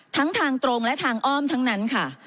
ทั้งทางตรงและทางอ้อมทั้งนั้นค่ะ